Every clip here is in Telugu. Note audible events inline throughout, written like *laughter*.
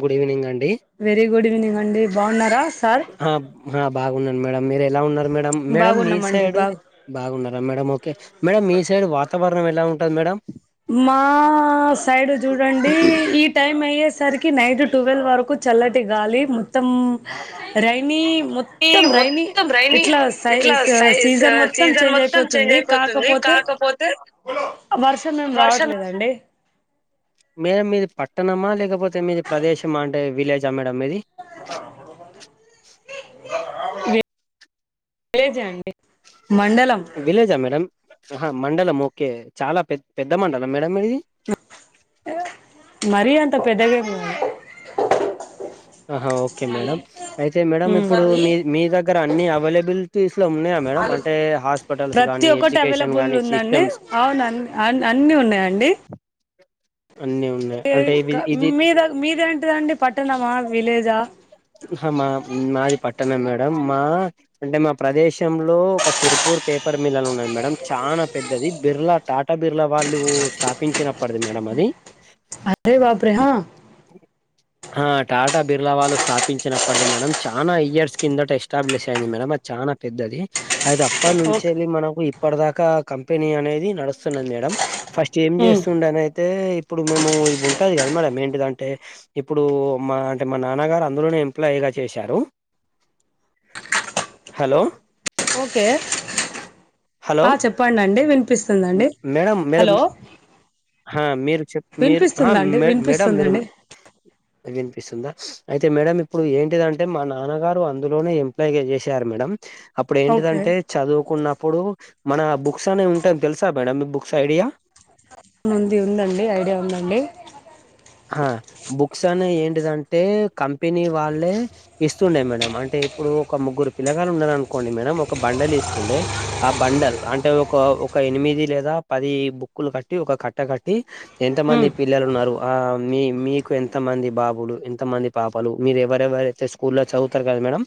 గుడ్ ఈవినింగ్ అండి వెరీ గుడ్ ఈవెనింగ్ అండి బాగున్నారా సార్ ఆ ఆ బాగున్నాను మేడం మీరు ఎలా ఉన్నారు మేడం మేడం మీ బాగున్నామండి సైడ్ బాగు బాగున్నారా మేడం ఓకే మేడం మీ సైడ్ వాతావరణ నం ఎలా ఉంటది మేడం మా సైడ్ చూడండి ఈ టైం అయ్యేసరికి నైట్ టువెల్ వరకు చల్లటి గాలి మొత్తం రైనీ ఈ మొత్తం రైనీ మొత్తం రైనీ ఇట్లా సై ఇట్లా సైజ్ సీజన్ మొత్తం సీజన్ చేంజ్ మొత్తం అయిపోతుంది చేంజ్ అయిపోతుంది కాకపోతే కాకపోతే వర్షం ఏం వర్షం రావట్లేదండి మేడం మీది పట్టణమా లేకపోతే మీది ప్రదేశమా అంటే విలేజ్ వె విలేజె అం విలేజా మేడం ఆహా మండలం ఓకే చాలా పె పెద్ద మండలం మేడం మీది మరీ అంత పెద్దగెం కాదు ఆహా ఓకే మేడం అయితే మేడమ్ ఇప్పుడు మీ మీ దగ్గర అన్ని అవేలబులిటీస్ ప్రతి గానీ ఒక్కటి ఎడ్యుకేషన్ అవైలబుల్ గానీ ఉందండి సిస్టమ్స్ అవును అన్ని అన్ని ఉన్నాయండి అన్ని ఉన్నాయి ఈ అంటే ఇది క ఇది మీద మీది ఏంటిదండి పట్టణమా విలేజా మా మాది పట్టణం మేడం మా అంటే మా ప్రదేశంలో ఒక సిరుపూర్ పేపర్ మిల్లు ఉన్నాది మేడం చానా పెద్ద అది బిర్లా టాటా బిర్లా వాళ్ళు స్థాపించినప్పడది మేడం అది అరే బాప్రేహా టా బిర్లా వాళ్లు స్థా పించినప్పటిది మేడం చానా ఇయర్స్ కిందట ఎస్టాబ్లిష్ అయింది మేడం అది చానా పెద్దది అయితే అప్ప ఓకే నుంచేళ్ళి మనకు ఇప్పటి దాకా కంపెనీ అనేది నడుస్తున్నది మేడం ఫస్ట్ ఏం ఉమ్ చేస్తుండన అయితే ఇప్పుడు మేము ఇవి ఉంటది కదా మేడం ఏంటిదాంటే ఇప్పుడు మా అంటే మా నాన్నగారు అందులోనే ఎంప్లాయిగా చేశారు హలో ఓకే హలో! ఆ చెప్పండండి మ్ వినిపిస్తుందండి మేడం మేడం హలో మీరు చెప్ మీరు హా వినిపిస్తుందండి మేడం మీరు వినిపిస్తుందండి వినిపిస్తుందా అయితే మేడం ఇప్పుడు ఏంటిదంటే మా నాన్నగారు అందులోనే ఎంప్లాయ్గా చేసారు మేడం అప్పుడు ఓకే ఏంటిదంటే చదువుకున్నప్పుడు మన బుక్స్ అనే తెలుసా మేడం మీ బుక్స్ ఐడియా ముంది ఉందండి ఐడియా ఉందండి ఆ బుక్స్ అనే ఏంటిదంటె కంపెనీ వాళ్ళే ఇస్తుండే మేడం అంటే ఇప్పుడు ఒక ముగ్గురు పిల్లగాలు ఉన్నరు అనుకోండి మేడం ఒక బండల్ ఇస్తుండే ఆ బండల్ అంటే ఒక ఒక ఎనిమిది లేదా పది బుక్కులు కట్టి ఒక కట్ట కట్టి ఎంత ఉమ్ మంది పిల్లలు ఉన్నారు మీ మీకు ఎంతమంది బాబులు ఎంతమంది పాపలు మీరు ఎవరెవరైతే స్కూల్లో చదువుతారు కదా మేడం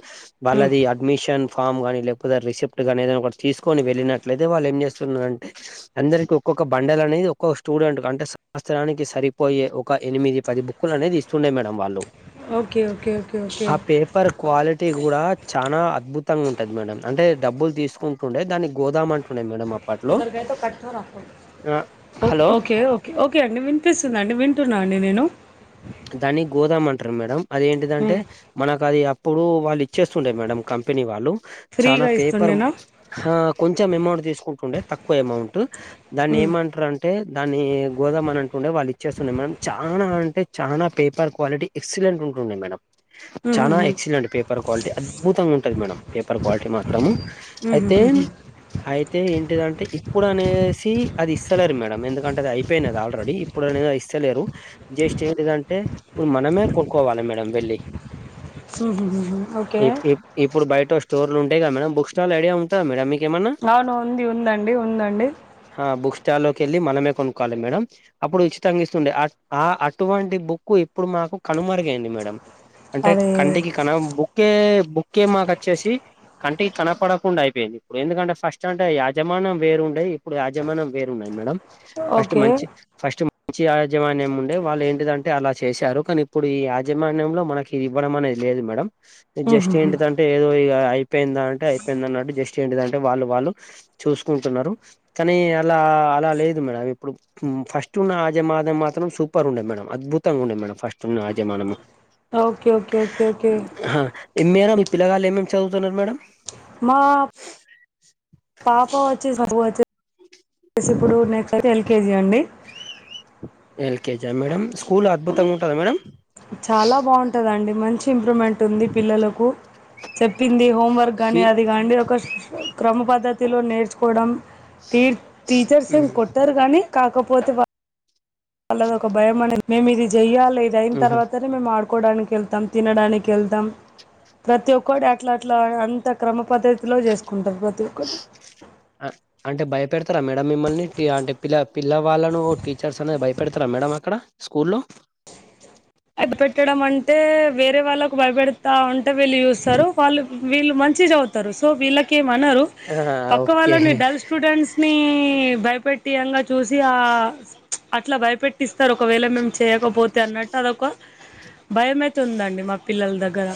ఉమ్ వాళ్ళది అడ్మిషన్ ఫామ్ గాని లేకపోతే రిసిప్ట్ గాని ఏదైనా ఒకటి తీసుకొని వెళ్ళినట్లయితే వాళ్ళు ఏం చేస్తున్నారంటే అందరికి ఒక ఒక బండల్ అనేది ఒక స్టూడెంట్కు అంటే సంవత్సరానికి సరి పోయే ఒక ఎనిమిది పది బుక్లు అనేది ఇస్తుండే మేడం వాళ్ళు ఓకే ఓకే ఓకే ఓకే ఆ పేపర్ క్వాలిటీ కూడా చానా అద్బు తంగా ఉంటది మేడం అంటేడబ్బులు తీసుకుంటుండే దాన్నీ గోదాం అంటుండే మేడం అప్పట్లో ఆ హలో ఓకే ఓకే ఓకే అండి విన్ పిస్తుందండి వింటున్నా అండి నేను దాని గోదామ అంటారు మేడం అది ఏంటిదంటే ఉమ్ మనకు అది అప్పుడు వాళ్ళు ఇచ్చేస్తుండే మేడం కం పెనీ వాళ్ళు చానా ఫ్రీగా పేపర్ ఇస్తుండేనా ఆ కొంచెం అమౌంట్ తీసుకుంటుండే తక్కువ అమౌంటు దాన్ని ఉమ్ ఏమంటారు అంటే దాన్ని గోదాం అని అంటుండే వాళ్ళు ఇచ్చేస్తునే మేడం చానా అంటే చానా పేపర్ క్వాలిటీ ఎక్సిలెంట్ ఉంటుండే మేడం చానా ఉహుహు ఎక్సిలెంట్ పే పర్ క్వాలిటీ అద్భుతంగా ఉంటంది మేడం పేపర్ క్వాలిటీ మాత్రము అయితే ఉహుహుహు అయి తే ఏంటిదంటే ఇప్పుడు అనేసి అది ఇస్తలేరు మేడం ఎందుకంటే అది అయిపోయినది ఆల్రెడీ ఇప్పుడు అనేది ఇ స్తాలేరు జస్ట్ ఏంటిదంటే ఇప్పుడు మనమే కోనుకోవాలి మేడం వెళ్ళి ఉహుహుహు ఓకే ఇప్ ఇప్ ఇప్పుడు బయట స్టోర్లు ఉంటయి కదా మేడం బుక్ స్టాల్ ఐడియా ఉంటదా మేడం మీ కేమన్నా అవును ఉంది ఉందండి ఉందండి ఆ బుక్ స్టాల్లో కేళ్ళి మనమే కొనుక్కవాలి మేడం అప్పుడు ఉచితంగా ఇస్తుండే ఆ టువంటి బుక్కు ఇప్పుడు మాకు కనుమరుగయింది మేడం అంటే అరే కంటికి కన బుక్కే బుక్కే మాకు వచ్చేసి కంటికి కనపడకుండా అయిపోయింది ఇప్పుడు ఎందుకంటే ఫస్ట్ అంటే యాజమానం వేరు ఉండే ఇప్పుడు యాజమానం వేరున్నది మేడం ఫస్ట్ ఓకే మంచి ఫస్ట్ మంచి యాజమాన్యం ఉండే వాళ్ళు ఏంటిదంటే అలా చేశారు కానీ ఇప్పుడు ఈ యాజమాన్యంలో మనకి ఇది ఇవ్వడం అనేది లేదు మేడం జస్ట్ ఉహుహు ఏంటిదంటే ఏదో ఇగ అయి పోయిందా అంటే అయిపోయింది అన్నట్టు జస్ట్ ఏంటిదంటే వాళ్ళు వాళ్ళు చూసుకుంటున్నారు కానీ అలా అలా లేదు మేడం ఇప్పుడు ఫస్ట్ ఉన్న యాజమాన్యం మాత్రం సూ పర్ ఉండే మేడం అద్భుతంగా ఉండే మేడం ఫస్ట్ ఉన్న యాజమానము ఓకే ఓకే ఓకే ఓకే ఎమనా మీ పిల్లగాలు ఏమేమి చదువుతున్నారు మేడమ్ మా పాప వచ్చి చదువచ్చి *inaudible* ఇప్పుడు నెక్స్ట్ ఎల్ కేజీ అండి ఎల్కేజా మేడం స్కూల్ అద్భుతంగా ఉంటాదా మేడం చాలా బాగుంటదండి మంచి ఇంప్రూమ్మేంట్ ఉంది పిల్లలకు చెప్పింది హోమ్ వర్క్ గాని ఫీ అది కాండి ఒక క్రమ పద్ధ తిలో నేర్చుకోడం టీ టీచర్స్ ఏం కొట్టారు గానీ కాకపోతే వా వాళ్ళది ఒక భయం అనేది మేము ఇది చెయ్యాలి ఇది అయిన ఆహా తర్వాతనే మేము ఆడు కోడానికి ఎళ్తాం తినడానికి ఎళ్తాం ప్రతి ఒక్కటి అట్లట్లా అంత క్రమ పద్ధతిలో చేసుకుంటారు ఒక్కటి అంటే భయపెడతారా మేడం మిమ్మల్ని అంటే పిల్ల పిల్ల వాళ్ళను టీచర్స్ అనే భయపెడతారా మేడం అక్కడ స్కూల్లో పెట్టడం అంటే వేరే వాళ్ళకు భయపెడతా ఉంటే వీళ్ళు చూస్తారు వాళ్ళు వీళ్ళు మంచిగా చదువుతారు సో వీళ్ళకె మనరు పక్క ఓకే వాళ్ళని డల్ స్టూడెంట్స్‌ని భయపెట్టియంగ చూసి ఆ అట్లా భయపెట్టిస్తారు ఒకవేళ మేము చేయకపోతే అన్న టు అదొక భయం అయితే ఉందండి మా పిల్లల దగ్గర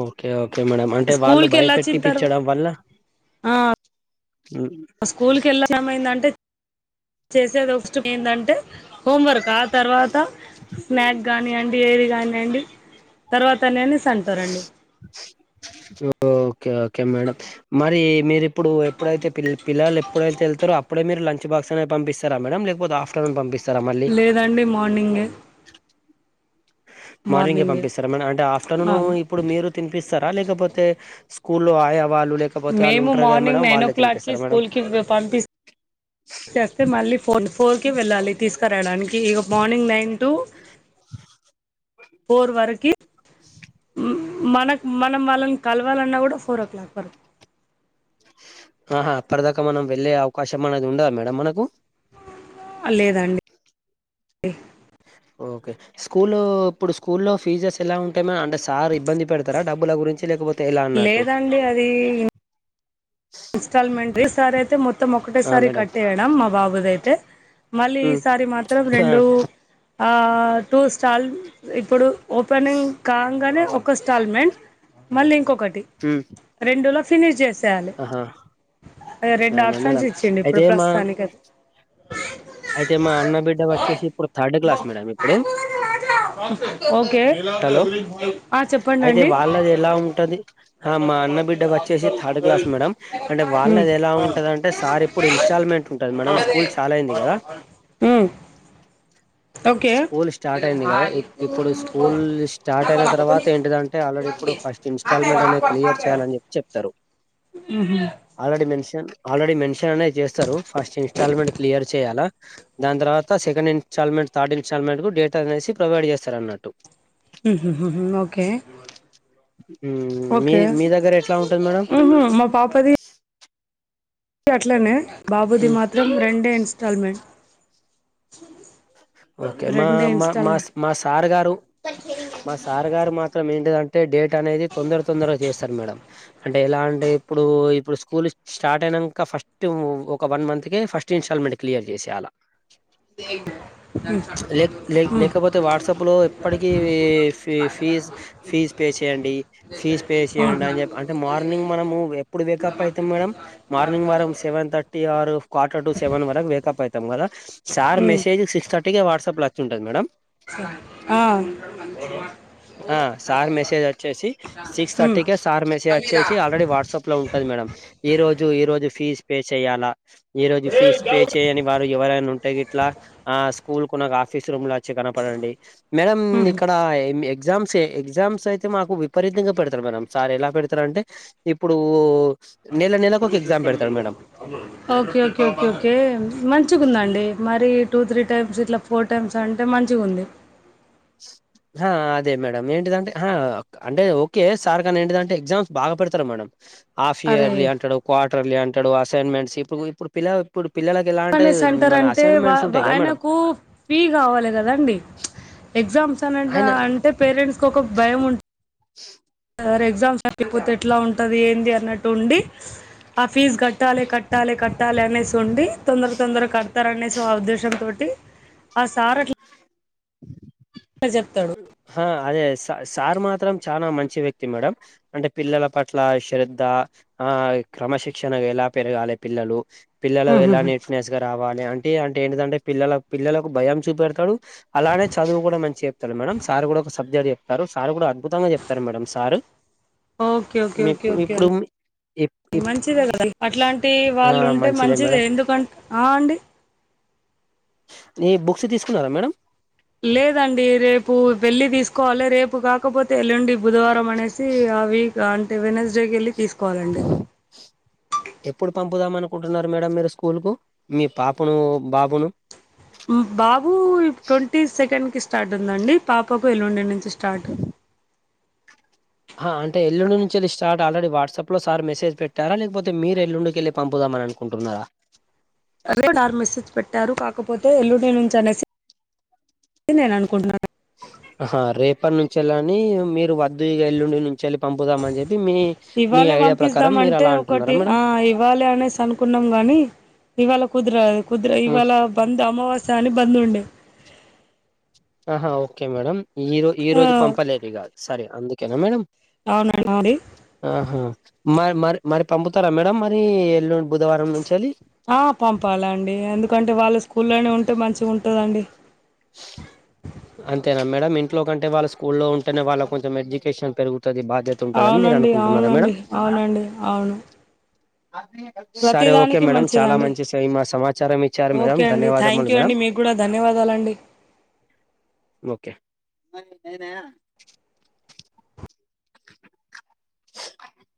ఓకే ఓకే మేడం అంటే వాళ్ళు స్కూల్కి భయపెట్టి వెళ్ళొచ్చిన తర్వా పిచ్చడం వల్ల స్కూల్‌కి ఎళ్ళడం ఎందంటే *inaudible* చేసేది ఫస్ట్ ఏందంటే హోమ్ వర్క్ ఆ తర్వాత స్నాక్ కానియండి ఏది కానీయండి తర్వా తనే అనేసి అంటారండి ఓ ఓకే ఓకే మేడం మరి మీరి ఇప్పుడు ఎప్పుడైతే పి పిల్లలు ఎప్పుడైతే వెళ్తారో అప్పుడే మీరు లంచ్ బాక్స్ అనేది పంపిస్తారా మేడం లేకపోతే ఆఫ్టర్నూన్ పంపిస్తారా మళ్ళీ లేదండి మార్నింగే మార్నింగే పంపిస్తారా మేడం అంటే ఆఫ్టర్నూన్ అవును ఇప్పుడు మీరు తిన్ సారా లేకపోతే స్కూల్లో ఆ మేము మార్నింగ్ నైన్ ఓ క్లాక్కిి తినిపిస్తారా మేడం స్కూల్ కి పంపిస్ వస్తే మళ్ళీ ఫో ఫోర్ వెళ్ళాలి తీసుకురావడానికి ఇగో మార్నింగ్ నైన్ టు ఫోర్ వరకి మనకు మనం వాళ్ళని కలవాలన్నా కూడా ఫోర్ ఓ క్లాక్ వరకు ఆహా అప్పటిదాకా మనం వెళ్ళే అవకాశం అనేది ఉండదా మేడం మనకు లేదండి ఓకే స్కూల్ ఇప్పుడు స్కూల్లో ఫీజెస్ ఎలా ఉంటాయి మేడం అంటే సార్ ఇబ్బంది పెడతారా డబ్బుల గురించి లేకపోతే ఎలా అన్నట్టు లేదండి అది ఇన్స్టాల్మెంట్ ఈ సారి అయితే మొత్తం ఆ ఒకటేసారి మేడం కట్ చేయడం మా బాబుదయితే మళ్ళీ హ్మ్ ఈసారి మాత్రం ఆ రెండు ఆ టూ స్టార్ల్ ఇప్పుడు ఓపెనింగ్ కాంగానే ఒక ఇన్ స్టాల్మెంట్ మళ్ళీ ఇంకొకటి హ్మ్ రెండులో ఫినిష్ చేసేయాలి ఆహా అదే రెండు అవునా ఆప్షన్స్ మేడం ఇచ్చిండు ఇప్పుడు అయితే మా ప్రస్తుతానికి అయితే అయితే మా అన్న బిడ్డ వచ్చేసి ఇప్పుడు థర్డ్ క్లాస్ మేడమ్ ఇప్పుడు ఓకే హలో ఆ చెప్పండి అయితే అండి వాళ్ళది ఎలా ఉంటది మా అన్న బిడ్డ వచ్చేసి థర్డ్ క్లాస్ మేడంమ్ అంటే వాళ్ళది ఎలా ఉంటుందాంటే సార్ ఇప్పుడు ఇన్స్టాల్మెంట్ ఉంటది మేడంమ్ స్కూల్ చాలు అయింది కదా మ్మ్ స్కూల్ స్టార్ట్ అయింది కదా ఇప్పుడు స్కూల్ స్టార్ట్ అయిన తర్వాత ఏంటిదంటే ఆల్రెడీ ఇప్పుడు ఫస్ట్ ఇన్స్టాల్మెంట్ అనే క్లియర్ చేయాలని చెప్పి చెప్తారు ఆల్రెడీ మెన్షన్ ఆల్రెడీ మెన్షన్ అనేది చేస్తారు ఫస్ట్ ఇన్స్టాల్మెంట్ క్లియర్ చేయాలా దాని తర్వాత సెకండ్ ఇన్స్టాల్మెంట్ థర్డ్ ఇస్టాల్మెంట్ కు డేటా అనేసి ప్రొవైడ్ చేస్తారు అన్నట్టు ఉహుహు ఓకే మీ ఓకే మీ దగ్గర ఎట్లా ఉంటది మేడం ఉహు మా పాపది అట్లనే బాబుది మాత్రం రెండే ఇన్స్టాల్మెంట్ ఓకే మా రెండే మా మా ఇన్స్టాల్మెంట్ మా సార్ గారు మా సార్ గారు మాత్రం ఏంటిదంటే డేట్ అనేది తొందర తొందర మేడం అంటే ఎలా అంటే ఇప్పుడు ఇప్పుడు స్కూల్ స్టార్ట్ అయినాక ఫస్ట్ ఒక వన్ మంత్ కే ఫస్ట్ ఇన్స్టాల్మెంట్ క్లియర్ చేసేయాల ఉమ్. లే ఉమ్, లేకపోతే వాట్సాప్ లో అప్పటికే ఫి ఫీజు ఫీజు పే చేయండి ఫీజు పే చేయండి అని చెప్పి అంటే మార్నింగ్ మనము ఎప్పుడు వేకప్ అవుతాం మేడం మార్నింగ్ వరకు సెవెన్ థర్టీ ఆరు క్వార్టర్ టు సెవెన్ వరకు వేకప్ అవుతాం కదా సార్ ఉమ్, మెసేజ్ సిక్స్ థర్టీకే వాట్సప్ లో వచ్చి ఉంటది మేడం ఆ ఆ సార్ మెసేజ్ వచ్చేసి సిక్స్ ఉమ్, థర్టీకే సార్ మెసేజ్ వచ్చేసి ఆల్రెడీ వాట్సాప్ లో ఉంటది మేడం ఈ రోజు ఈ రోజు ఫీజు పే చేయాలా ఈ రోజు ఫీజు పే చేయని వారు ఎవరైన ఉంటే ఇట్లా ఆ స్కూల్ కు నాకు ఆఫీస్ రూమ్ లో వచ్చి కనపడండి మేడంమ్ ఉమ్. ఇక్కడ ఎగ్జామ్స్ ఎగ్జామ్ ఎగ్జామ్స్ అయితే మాకు విపరీతంగా పెడతాడు మేడం సార్ ఎలా పెడతారు అంటే ఇప్పుడు నెల నెలకు ఒక ఎగ్జామ్ పెడతాడు madam okay okay okay okay మంచిగుందండి మరి టూ త్రీ టైమ్స్ ఇట్లా ఫోర్ టైమ్స్ అంటే మంచిగా ఉంది ఆ అదే మేడం ఏంటిదంటే హ అంటే ఓకే సార్ కాని ఏంటిదంటే ఎగ్జామ్స్ బాగా పెడతారు మేడం ఆఫ్ అరే ఇయర్లీ అంటాడు క్వార్టర్లీ అంటాడు అసైన్మెంట్స్ ఇప్పుడు ఇప్పుడు పిల్ల ఇప్పుడు పిల్లలకి ఎలా అంటే తనే సెంటర్ మన అంటే అసైన్మెంట్స్ ఉంటాయి కదా మేడం ఆయనకు ఫీ కావలిఅండి ఎగ్జామ్స్ అని ఆయన అంటే పేరెంట్స్ ఒక భయం ఉంటుంది అ *unintelligible* సరే ఎగ్జామ్స్ ఆగిపోతే‌‌ ఎట్లా ఉంటది ఏంటి అన్నట్టు ఉండి ఆ ఫీజు కట్టాలి కట్టాలి కట్టాలి అనేసి ఉండి తొందర తొందర కడతారునేసి ఆ ఉద్దేశంతోటి ఆ సార్ అట్లా చెప్తాడు ఆ అదే సార్ సార్ మాత్రం చానా మంచి మంచి వ్యక్తి మేడం అంటే పిల్లల పట్ల శ్రధ ఆ క్రమశిక్షణ ఎలా పెరగాలి పిల్లలు పిల్లలు ఎలా నీట్నెస్ గా రావాలి అంటే భయం అంటే ఏంటంటే పిల్లల పిల్లలకు భయం చూపెడతాడు అలానే చదువు కూడా మంచి చె చెప్తారు మేడం సార్ కూడా ఒక సబ్జెక్ట్ చెప్తారు సార్ కూడా అద్భుతంగా చెప్తారు madam sir okay okay okay మీకు ఓకే ఇప్పుడు ఇప్ అని ఇప్ మంచిదే కదా అట్లాంటి ఆ వాళ్ళు ఉంటే మంచిదే మేడం ఎందుకంటే ఆ అండి నీ బుక్స్ తీసుకున్నారా మేడం లేదండి రేపు వెళ్లి తీసుకోవాలి రేపు కాకపోతే ఎల్లుండి బుధవారం ఇత్తామనేసి ఆ వీక్ అంటే వెనస్డే కెళ్ళి వెళ్లి తీసు ఎప్పుడు పం పంపుదాం అనుకుంటున్నారు మేడం మీరు స్కూల్ కు మీ పాపను బాబును బాబట్వంటీ సెకండ్ కి స్టార్ట్ ఉందండి పాపకి ఎల్లువండి నుంచి స్టార్ట్ ఆహా అంటే ఎల్లుండించి వెళ్ళ స్టార్ట్ ఆల్రెడీ వాట్సప్ లో సార్ మెసేజ పెట్టా లేకపోతే మీరు ఎల్లుండికెళ్ళి పంపుదాం పంపాలు అనుకుంటున్నారా రేపు సార్ మెసేజ్ పెట్టారు కాకపోతే ఎల్లుడి నుంచి అనేసి నేను అనుకుంటున్నాను హా రేపటి నుంచే అని మీరు వద్దు ఇగ ఎల్లుండి నుంచి అని పంపుదాం అనేసి ఇవ్వాలే పంపిస్తామ అంటే అంటున్నారా ఒకటి ఆ మేడం ఇవ్వాలి అనేసి అనుకున్నాం గాని ఇవాళ కుదర కుదర ఇవాళ బంద్ అమావాస్య అని బంద్ ఉండే ఆహా ఒకే మేడం ఈ ఈ ఆ రోజు పంపలేదు ఇగ సరే అందుకేనా మేడం అవునండి *inaudible* అవు ఆహా మరి మరి మరి పంపుతారా మేడం మరి ఎల్ల్ ఆ పంపాల అండి ఎందుకంటే వాళ్ల స్కూల్ కానీ ఉంటే మంచిగా ఉంటదండి అంతేనా మేడం ఇంట్లో కంటే వాళ్ళ స్కూల్లో ఉంటేనే వాళ్ళ కొంచెం ఎడ్యుకేషన్ పెరుగుతు ది బాధ్యత ఉంటదని మీరు అవునండి అనుకుంటున్నారా మేడం అవునండి అవునండి అవును సరే ఓకే ప్రతిదానికి మేడం చాలా మంచిదండి మంచి స మా సమాచారం ఇచ్చారు మేడం ఓకే అండి ధన్యవాదములు థాంక్యూ మేడం అండి మీకు కూడా ధన్యవాదాలండి ఓకే